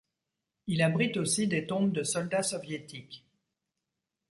Il abrite aussi des tombes de soldats soviétiques.